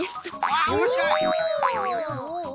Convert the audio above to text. あっおもしろい！